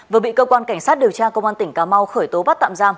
vừa bị cơ quan cảnh sát điều tra công an tỉnh cà mau khởi tố bắt tạm giam